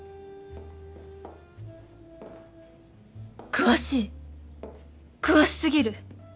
詳しい詳しすぎる。